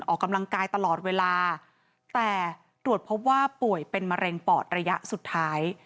ออกกำลังกายตลอดเวลาแต่ตรวจพบว่าป่วยเป็นมะเร็งปอดระยะสุดท้าย